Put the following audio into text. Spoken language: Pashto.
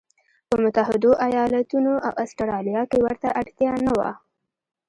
په متحدو ایالتونو او اسټرالیا کې ورته اړتیا نه وه.